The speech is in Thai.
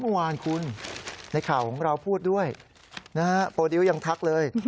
เมื่อวานคุณในข่าวของเราพูดด้วยนะฮะโปรดิวยังทักเลย